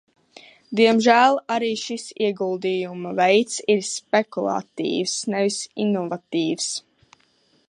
Diemžēl arī šis ieguldījuma veids ir spekulatīvs, nevis inovatīvs.